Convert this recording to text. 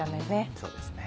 そうですね。